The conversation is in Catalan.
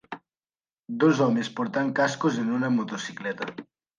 Dos homes portant cascos en una motocicleta.